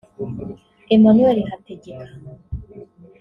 Emmanuel Hategeka